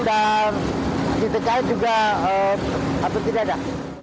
dan di tki juga tidak ada